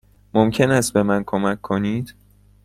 ممکن است به من کمک کنید؟